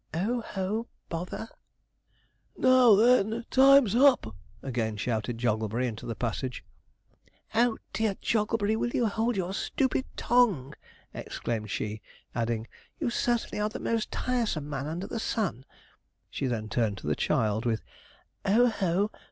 'O, ho! bother ' 'Now, then! time's hup!' again shouted Jogglebury into the passage. 'O dear, Mr. Jogglebury, will you hold your stoopid tongue!' exclaimed she, adding, 'you certainly are the most tiresome man under the sun.' She then turned to the child with: 'O ho!